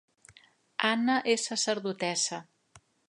Anna és sacerdotessa